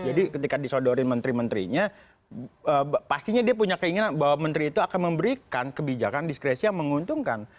jadi ketika disodorin menteri menterinya pastinya dia punya keinginan bahwa menteri itu akan memberikan kebijakan diskresi yang menguntungkan